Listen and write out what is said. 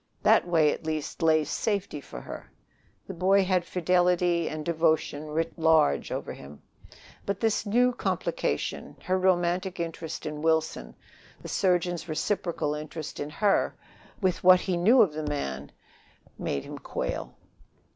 That way, at least, lay safety for her. The boy had fidelity and devotion written large over him. But this new complication her romantic interest in Wilson, the surgeon's reciprocal interest in her, with what he knew of the man made him quail.